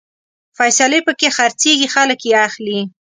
فیصلې پکې خرڅېږي، خلک يې اخلي